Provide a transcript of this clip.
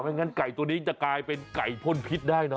งั้นไก่ตัวนี้จะกลายเป็นไก่พ่นพิษได้เนอ